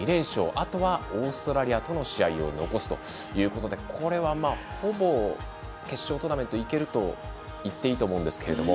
あとはオーストラリアとの試合を残すということで、これはほぼ決勝トーナメントいけると言っていいと思うんですけれども。